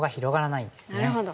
なるほど。